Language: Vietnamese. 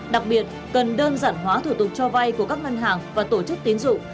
đặc biệt cần đơn giản hóa thủ tục cho vay của các ngân hàng và tổ chức tiến dụng